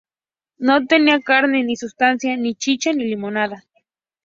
No tenía carne ni sustancia, ni chicha ni limonada